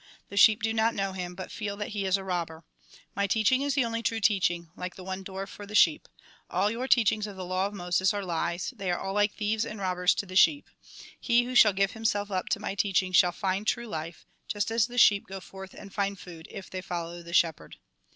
The sheep do not know him, but feel that he is a robber. My teaching is the only true teaching; like the one door for the sheep. All your teachings of the law of Moses are Jn. viii. 56. / AND THE FATHER ARE ONE 99 Jn. X. 9. 12. lies, they are all like thieves and robbers to the sheep. He who shall give himself up to my teach ing shall find true life ; just as the sheep go forth and find food, if they follow the shepherd.